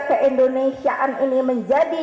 keindonesiaan ini menjadi